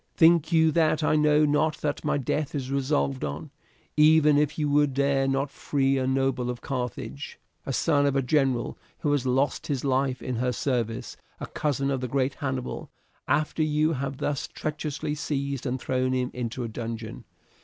Think you that I know not that my death is resolved on? Even if you would you dare not free a noble of Carthage, a son of a general who has lost his life in her service, a cousin of the great Hannibal, after you have thus treacherously seized and thrown him into a dungeon.